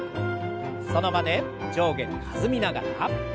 その場で上下に弾みながら。